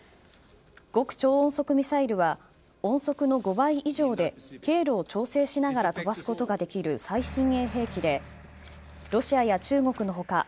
極超音速ミサイルは音速の５倍以上で経路を調整しながら飛ばすことができる最新鋭兵器でロシアや中国の他